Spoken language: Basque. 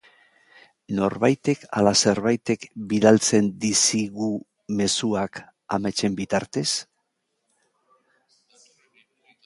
Norbaitek ala zerbaitek bidaltzen dizigu mezuak ametsen bitartez?